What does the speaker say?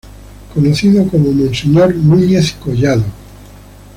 Conocido como Monseñor Núñez Collado.